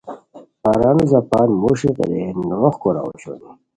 پرانو زاپان موݰی غیرئے نوغ کوراؤ اوشونی